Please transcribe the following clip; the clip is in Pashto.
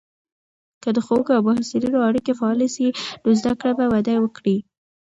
که د ښوونکو او محصلینو اړیکې فعاله سي، نو زده کړه به وده وکړي.